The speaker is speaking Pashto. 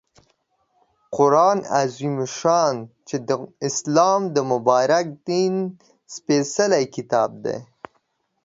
قرآن عظیم الشان چې د اسلام د مبارک دین سپیڅلی کتاب دی